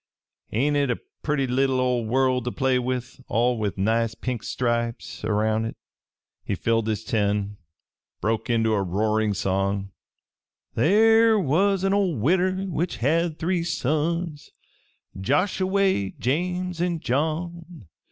Ain't it a perty leetle ol' world to play with, all with nice pink stripes erroun' hit?" He filled his tin and broke into a roaring song: _There was a ol' widder which had three sons Joshuway, James an' John.